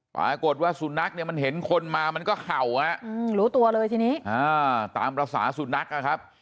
ปรากฏว่าสุนัขเนี่ยมันเห็นคนมามันก็เห่ารู้ตัวเลยทีนี้ตามภาษาสุนัขนะครับ